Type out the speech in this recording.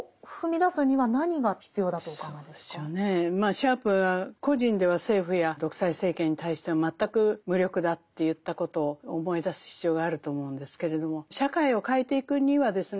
シャープが「個人では政府や独裁政権に対して全く無力だ」と言ったことを思い出す必要があると思うんですけれども社会を変えていくにはですね